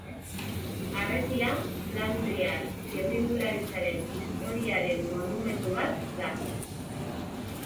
Harresia flandriar txirrindularitzaren historiaren monumentu bat da.